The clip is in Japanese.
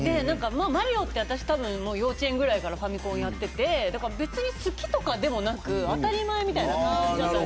マリオは幼稚園ぐらいからファミコンをやっていて別に好きとかでもなく当たり前みたいな感覚。